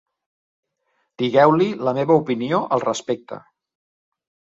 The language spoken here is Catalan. Digueu-li la meva opinió al respecte.